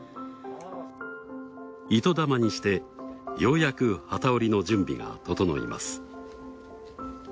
糸玉にしてようやく機織りの準備が整います。